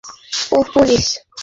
ওহ, police?